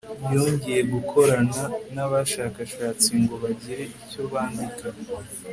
yongeye gukorana n'abashakashatsi ngo bagire icyo bandika